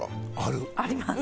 あります。